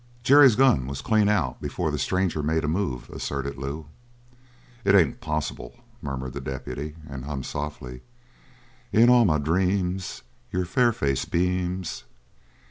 "Jerry's gun was clean out before the stranger made a move," asserted Lew. "It ain't possible," murmured the deputy, and hummed softly: _"In all my dreams, your fair face beams."